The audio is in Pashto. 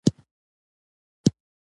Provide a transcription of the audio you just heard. داسې نظم رامنځته کړي